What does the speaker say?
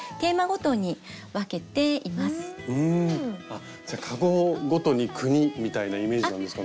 あっじゃあ籠ごとに国みたいなイメージなんですかね。